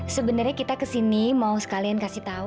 sebenarnya kita kesini mau sekalian kasih tahu